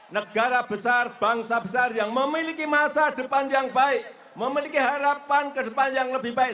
negara besar bangsa besar yang memiliki masa depan yang baik memiliki harapan ke depan yang lebih baik